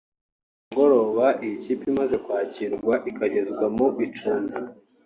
Ku mugoroba iyi kipe imaze kwakirwa ikagezwa mu icumbi